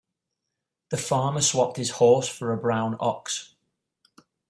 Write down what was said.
The farmer swapped his horse for a brown ox.